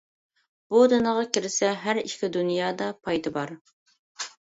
بۇ دىنغا كىرسە ھەر ئىككى دۇنيادا پايدا بار.